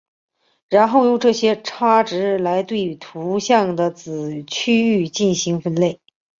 然后用这些差值来对图像的子区域进行分类。